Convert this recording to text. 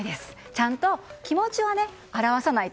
ちゃんと気持ちを表さないと。